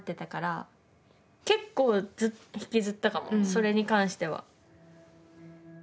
それに関しては。